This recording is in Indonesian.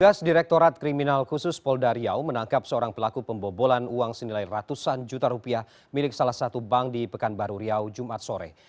tugas direktorat kriminal khusus polda riau menangkap seorang pelaku pembobolan uang senilai ratusan juta rupiah milik salah satu bank di pekanbaru riau jumat sore